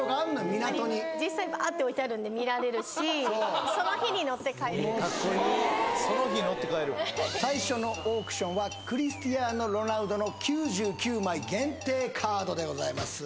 港に実際バーッて置いてあるんで見られるしそう・カッコイイその日乗って帰る最初のオークションはクリスティアーノ・ロナウドの９９枚限定カードでございます